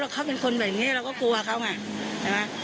แล้วเขาเป็นคนแบบนี้เราก็กลัวเขาไง